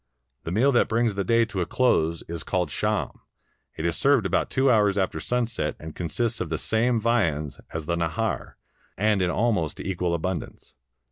The meal that brings the day to a close is called sham: it is served about two hours after sunset, and consists of the same viands as the nahar and in almost equal abundance.